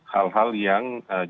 hal hal yang tidak bisa dihadapi